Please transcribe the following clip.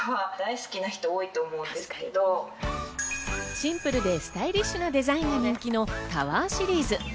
シンプルでスタイリッシュなデザインが人気のｔｏｗｅｒシリーズ。